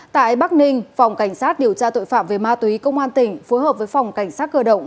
tại bắc ninh phòng cảnh sát điều tra tội phạm về ma túy công an tỉnh phối hợp với phòng cảnh sát cơ động